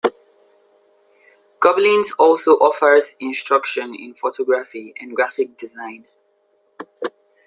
Gobelins also offers instruction in photography and graphic design.